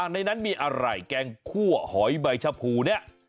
ในนั้นมีอะไรแกงคั่วหอยใบชะพูเนี่ย